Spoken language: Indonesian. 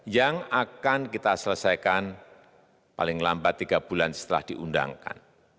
yang akan kita selesaikan paling lambat tiga bulan setelah diundangkan